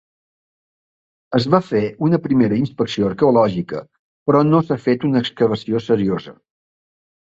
Es va fer una primera inspecció arqueològica però no s'ha fet una excavació seriosa.